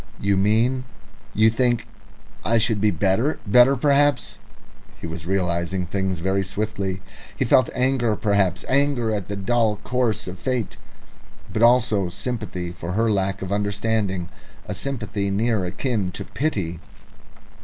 "You mean you think I should be better, better perhaps " He was realising things very swiftly. He felt anger, indeed, anger at the dull course of fate, but also sympathy for her lack of understanding a sympathy near akin to pity.